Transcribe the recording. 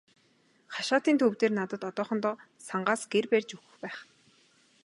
Хашаатын төв дээр надад одоохондоо сангаас гэр барьж өгөх байх.